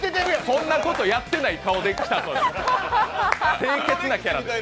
そんなことやってないって顔で来たそうです。